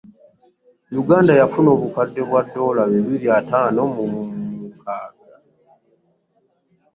Uganda yafuna obukadde bwa ddoola bibiri ataano mu mukaaga.